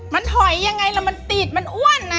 มันถอยยังไงแล้วมันติดมันอ้วนนะ